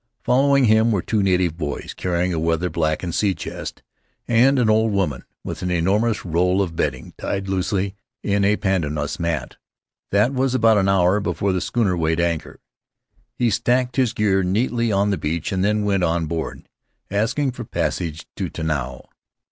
Following him were two native boys carrying a weather blackened sea chest, and an old woman with an enormous roll of bedding tied loosely in a pandanus mat. That was about an hour before the schooner weighed anchor. He stacked his gear neatly on the beach and then went on board, asking for passage to Tanao.